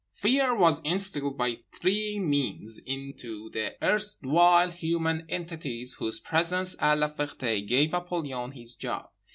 Fear was instilled by three means into the erstwhile human entities whose presence at La Ferté gave Apollyon his job.